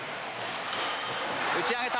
打ち上げた。